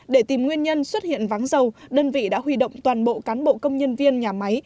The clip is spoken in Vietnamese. để tìm nguyên nhân xuất hiện vắng dầu đơn vị đã huy động toàn bộ cán bộ công nhân viên nhà máy